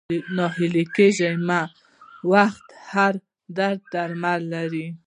ناهيلی کيږه مه ، وخت د هر درد درمل لري